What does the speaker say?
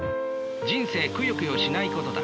人生くよくよしないことだ。